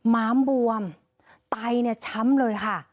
ม้ามบวมไตช้ำเลยค่ะ